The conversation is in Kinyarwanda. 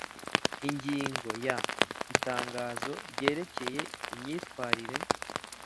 Ingingo ya Itangazo ryerekeye imyitwarire